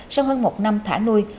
sau hơn một năm thả nuôi